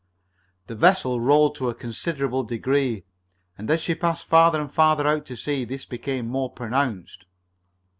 The vessel rolled to a considerable degree, and as she passed farther and farther out to sea this became more pronounced.